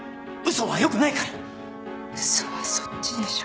嘘はそっちでしょ。